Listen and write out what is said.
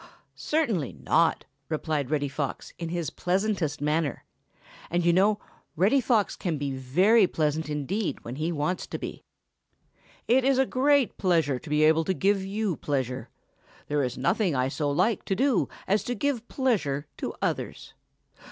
"Certainly not," replied Reddy Fox, in his pleasantest manner, and you know Reddy Fox can be very pleasant indeed when he wants to be. "It is a very great pleasure to be able to give you pleasure. There is nothing I so like to do as to give pleasure to others.